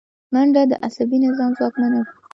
منډه د عصبي نظام ځواکمنوي